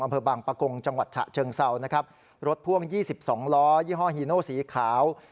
อำเภอบางปะกงจังหวัดฉะเชิงเซานะครับรถพ่วง๒๒ล้อยี่ห้อฮีโนสีขาว